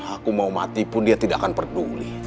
aku mau mati pun dia tidak akan peduli